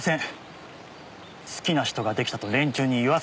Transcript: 好きな人が出来たと連中に言わされてただけです。